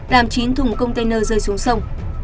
làm chín thùng container rơi xuống sông